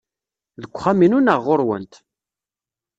Deg uxxam-inu neɣ ɣer-went?